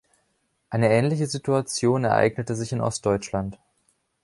Eine ähnliche Situation ereignete sich in Ostdeutschland.